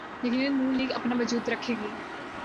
یقینا نون لیگ اپنا وجود رکھے گی۔